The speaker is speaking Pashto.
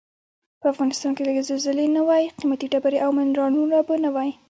په افغنستان کې که زلزلې نه وای قیمتي ډبرې او منرالونه به نه وای.